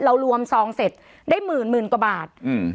รวมซองเสร็จได้หมื่นหมื่นกว่าบาทอืม